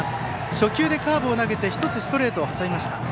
初球でカーブを投げて１つストレートを挟みました。